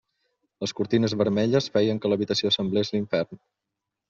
Les cortines vermelles feien que l'habitació semblés l'infern.